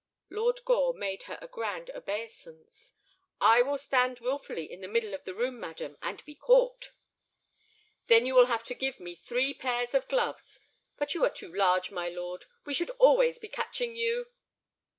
Lord Gore made her a grand obeisance. "I will stand wilfully in the middle of the room, madam, and be caught." "Then you will have to give me three pairs of gloves. But you are too large, my lord; we should always be catching you."